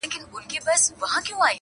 دغو تورمخو له تیارو سره خپلوي کړې ده.!